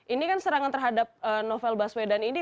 ini kan serangan terhadap novel baswedan ini